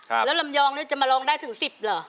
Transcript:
แล้วลำยองนี่จะมาลองได้ถึงสิบเหรอ